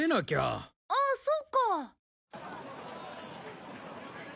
あっそうか。